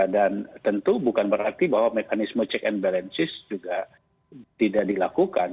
dan tentu bukan berarti bahwa mekanisme check and balances juga tidak dilakukan